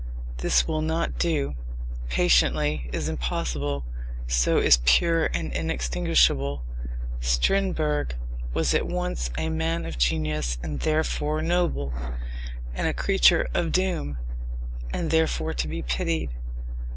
This will not do. "Patiently" is impossible; so is "pure and inextinguishable." Strindberg was at once a man of genius (and therefore noble) and a creature of doom (and therefore to be pitied).